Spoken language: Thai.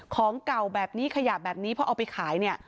ของเก่าแบบนี้ขยะแบบนี้เพราะเอาไปขายเนี่ย